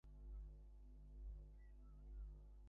অবশেষে সে বুঝিতে পারিল, উহা তাহার নিজেরই হৃৎস্পন্দনের শব্দ।